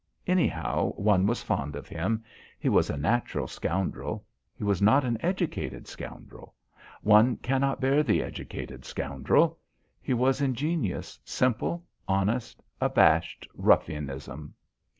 Anyhow one was fond of him. He was a natural scoundrel. He was not an educated scoundrel. One cannot bear the educated scoundrel. He was ingenuous, simple, honest, abashed ruffianism.